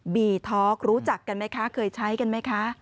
บีท็อกรู้จักกันไหมคะเคยใช้กันไหมคะ